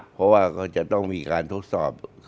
เพราะว่าก็จะต้องมีการทดสอบ